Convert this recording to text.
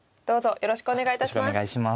よろしくお願いします。